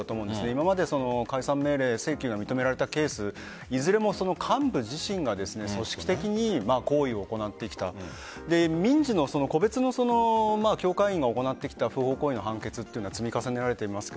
今まで解散命令請求が認められたケース幹部自身が組織的に行為を行ってきた民事の個別の教会員が行ってきた不法行為の判決を積み重なってきます。